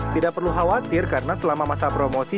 tidak perlu khawatir karena selama masa promosi